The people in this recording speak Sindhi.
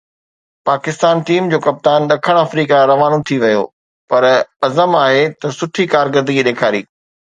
پاڪستان ٽيم جو ڪپتان ڏکڻ آفريڪا روانو ٿي ويو، پرعزم آهي ته سٺي ڪارڪردگي ڏيکاري